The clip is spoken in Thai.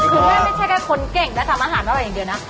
คือแม่ไม่ใช่แค่คนเก่งและทำอาหารอร่อยอย่างเดียวนะ